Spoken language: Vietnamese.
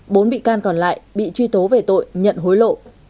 bốn bị can còn lại bị truy tố về tội nhận hối lộ